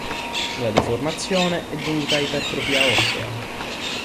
La deformazione è dovuta a ipertrofia ossea.